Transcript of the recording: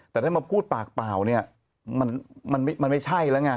แต่ถ้ามาพูดปากเปล่าเนี่ยมันไม่ใช่แล้วไง